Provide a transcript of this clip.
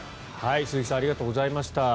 鈴木さんありがとうございました。